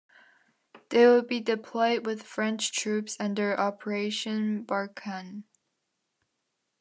They would be deployed with French troops under Operation Barkhane.